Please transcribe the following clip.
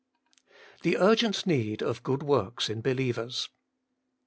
The urgent need of good zvorks in be lievers.